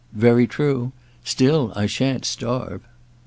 Very true. Still, I shan't starve."